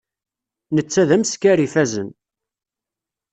Netta d ameskar ifazen.